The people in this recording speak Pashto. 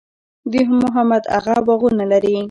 د محمد اغه باغونه لري